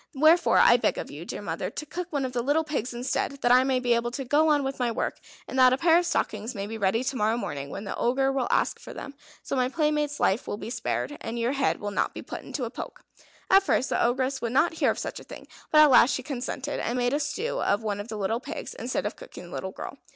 Wherefore I beg of you, dear mother, to cook one of the little pigs instead, that I may be able to go on with my work, and that a pair of stockings may be ready to morrow morning when the Ogre will ask for them; so my playmate's life will be spared, and your head will not be put into a poke." At first the Ogress would not hear of such a thing, but at last she consented, and made a stew of one of the little pigs instead of cooking the little girl.